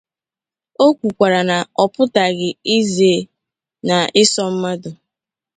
O kwukwara na ọ pụtaghị ize na ịsọ mmadụ.